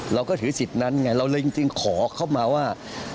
เราก็ถือสิทธิ์นั้นไงเราเลยจริงขอเข้ามาว่า